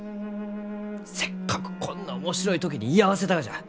せっかくこんな面白い時に居合わせたがじゃ。